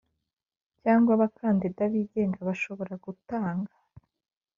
cyangwa abakandida bigenga bashobora gutanga